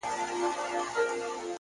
هره هڅه د بریا نږدېوالی زیاتوي،